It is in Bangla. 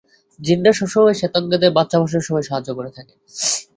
জিনরা সবসময় শেতাঙ্গদের বাচ্চা প্রসবের সময় সাহায্য করে থাকে।